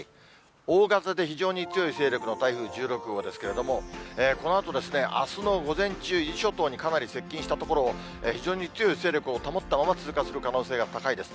大型で非常に強い勢力の台風１６号ですけれども、このあと、あすの午前中、伊豆諸島にかなり接近したところを、非常に強い勢力を保ったまま通過する可能性が高いです。